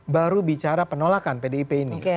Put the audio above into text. baru bicara penolakan pdip ini